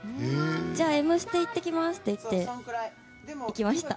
じゃあ、「Ｍステ」行ってきますって言って、行きました。